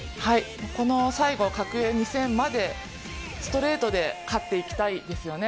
この最後、格上、２戦までストレートで勝っていきたいですね。